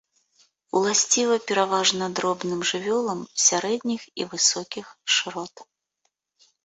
Уласціва пераважна дробным жывёлам сярэдніх і высокіх шырот.